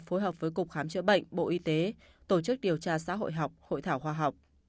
phối hợp với cục khám chữa bệnh bộ y tế tổ chức điều tra xã hội học hội thảo khoa học